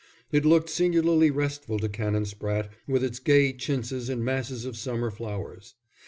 It looked singularly restful to Canon Spratte with its gay chintzes and masses of summer flowers.